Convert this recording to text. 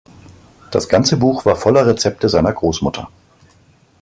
Das ganze Buch war voller Rezepte seiner Großmutter.